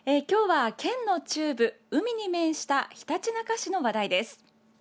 今日は県の中部、海に面したひたちなか市の話題です。